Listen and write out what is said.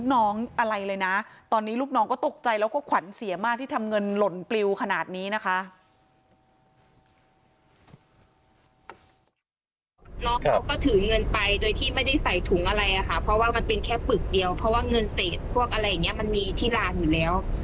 น้องเขาก็ถือเงินไปโดยที่ไม่ได้ใส่ถุงอะไรอ่ะค่ะเพราะว่ามันเป็นแค่ปึกเดียวเพราะว่าเงินเสร็จพวกอะไรอย่างเงี้ยมันมีที่ร้านอยู่แล้ว